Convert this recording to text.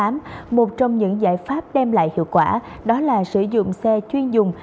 một trong những giải pháp đem lại hiệu quả đó là sử dụng xe chuyên dùng